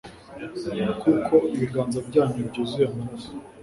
kuko ibiganza byanyu byuzuye amaraso